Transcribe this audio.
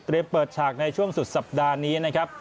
เปิดฉากในช่วงสุดสัปดาห์นี้นะครับ